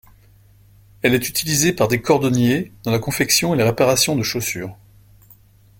Elle est utilisée par les cordonniers dans la confection et la réparation des chaussures.